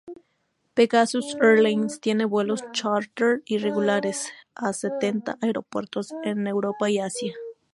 Pegasus Airlines tiene vuelos chárter y regulares a setenta aeropuertos en Europa y Asia.